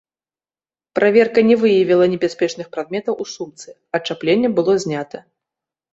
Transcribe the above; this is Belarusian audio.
Праверка не выявіла небяспечных прадметаў у сумцы, ачапленне было знята.